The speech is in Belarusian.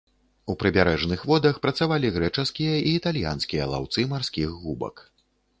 У прыбярэжных водах працавалі грэчаскія і італьянскія лаўцы марскіх губак.